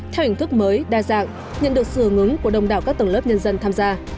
theo hình thức mới đa dạng nhận được sự ứng ứng của đông đảo các tầng lớp nhân dân tham gia